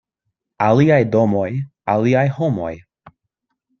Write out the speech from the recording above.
Aliaj domoj, aliaj homoj.